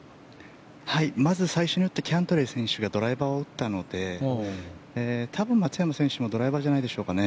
まず最初に打ったキャントレー選手がドライバーを打ったので多分、松山選手もドライバーじゃないでしょうかね。